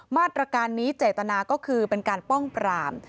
มาตรการนี้เจตนาก็คือเป็นการป้องปราม